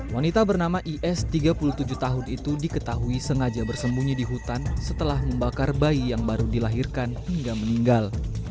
wanita bernama is tiga puluh tujuh tahun itu diketahui sengaja bersembunyi di hutan setelah membakar bayi yang baru dilahirkan hingga meninggal